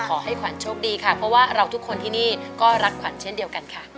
ขอให้ขวัญโชคดีค่ะเพราะว่าเราทุกคนที่นี่ก็รักขวัญเช่นเดียวกันค่ะ